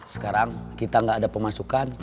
sekarang kita nggak ada pemasukan